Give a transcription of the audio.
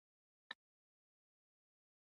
د ښه تومور نوم بېنیګنټ دی.